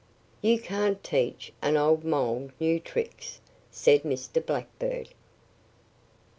"You can't teach an old Mole new tricks," said Mr. Blackbird.